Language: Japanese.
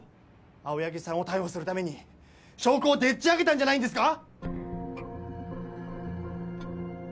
青柳さんを逮捕するために証拠をでっちあげたんじゃないんですか！？